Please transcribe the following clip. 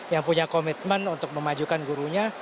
yang punya komitmen untuk memajukan gurunya